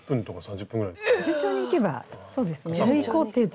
順調にいけばそうですね。